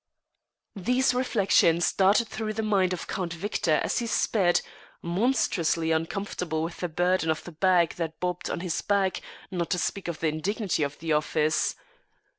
These reflections darted through the mind of Count Victor as he sped, monstrously uncomfortable with the burden of the bag that bobbed on his back, not to speak of the indignity of the office.